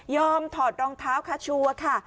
ยอมถอดรองเท้าค่ะชัวร์ค่ะ